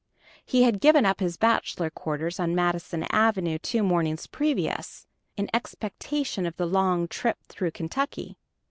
He had given up his bachelor quarters on Madison Avenue two mornings previous, in expectation of the long trip through Kentucky.